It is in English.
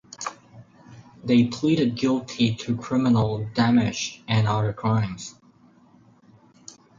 They pleaded guilty to criminal damage and other crimes.